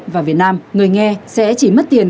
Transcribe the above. và việt nam người nghe sẽ chỉ mất tiền